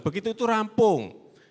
begitu itu rampung